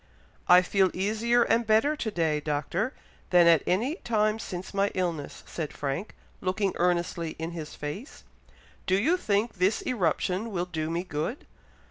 "I feel easier and better to day, Doctor, than at any time since my illness," said Frank, looking earnestly in his face. "Do you think this eruption will do me good?